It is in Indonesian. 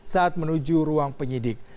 saat menuju ruang penyidik